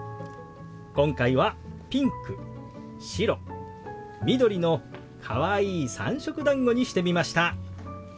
今回はピンク白緑のかわいい三色だんごにしてみました。